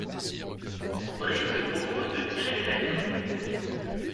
André se propose de tirer les lettres.